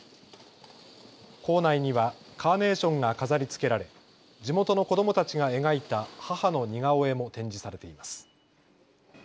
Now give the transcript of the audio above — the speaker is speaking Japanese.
構内にはカーネーションが飾りつけられ地元の子どもたちが描いた母の似顔絵も展示されています。